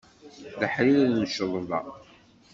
Leḥrir n cceḍba.